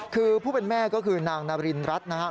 คือผู้เป็นแม่ก็คือนางนารินรัฐนะครับ